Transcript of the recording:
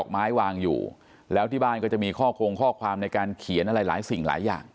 มันก็จะมีข้อโครงข้อความในการเขียนอะไรหลายสิ่งหลายอย่าง